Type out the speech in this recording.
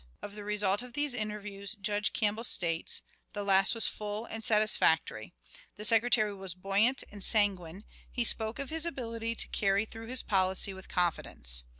Of the result of these interviews, Judge Campbell states: "The last was full and satisfactory. The Secretary was buoyant and sanguine; he spoke of his ability to carry through his policy with confidence.